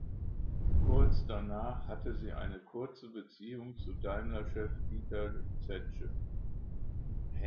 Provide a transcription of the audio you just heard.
Kurz danach hatte sie eine kurze Beziehung zu Daimler-Chef Dieter Zetsche.